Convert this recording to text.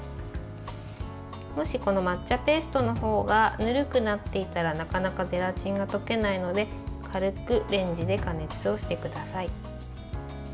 もしこの抹茶ペーストの方がぬるくなっていたらなかなかゼラチンが溶けないので軽くレンジで加熱をしてください。